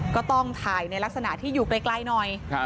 ก็ต้องถ่ายในลักษณะที่อยู่ไกลหน่อย